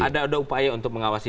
ada upaya untuk mengawasi